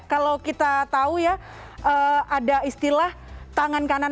kalau kita tahu ya ada istilah tangan kanan